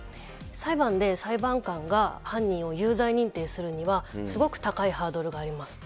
裁判で裁判官が犯人を有罪認定するには、すごく高いハードルがあります。